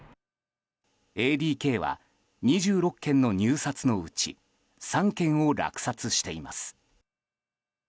ＡＤＫは、２６件の入札のうち３件を落札しています。